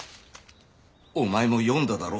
お前も読んだだろ。